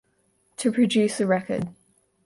To produce a record.